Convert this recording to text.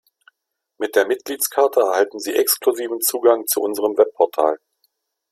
Mit der Mitgliedskarte erhalten Sie exklusiven Zugang zu unserem Webportal.